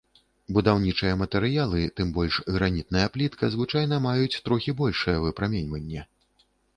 Будаўнічыя матэрыялы, тым больш гранітная плітка, звычайна маюць трохі большае выпраменьванне.